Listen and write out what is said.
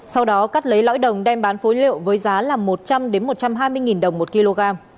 sau đó cắt lấy lõi đồng đem bán phối liệu với giá là một trăm linh một trăm hai mươi đồng một kg